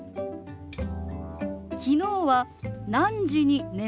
昨日は何時に寝ましたか？